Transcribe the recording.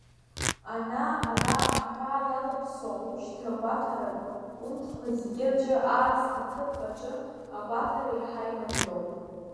Ана-ара аҳәаа иалаԥсоу аушьҭра-гәаҭаратә пунктқәа зегьы рҿы аасҭа, ҭыԥк аҿы агәаҭара еиҳа имариоуп.